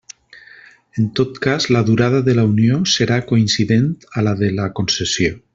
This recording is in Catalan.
En tot cas, la durada de la unió serà coincident a la de la concessió.